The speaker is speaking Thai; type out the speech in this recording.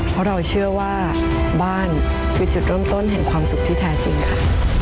เพราะเราเชื่อว่าบ้านคือจุดเริ่มต้นแห่งความสุขที่แท้จริงค่ะ